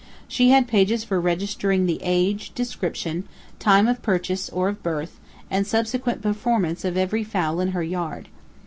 She had pages for registering the age, description, time of purchase or of birth, and subsequent performances of every fowl in her yard.